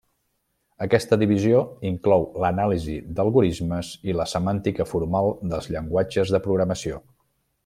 Aquesta divisió inclou l'Anàlisi d'algorismes i la Semàntica Formal dels llenguatges de programació.